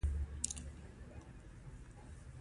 ژوندي د زړه او عقل تر منځ توازن ساتي